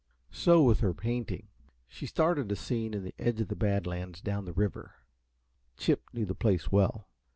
So with her painting. She started a scene in the edge of the Bad Lands down the river. Chip knew the place well.